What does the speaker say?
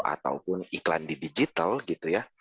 ataupun iklan di digital gitu ya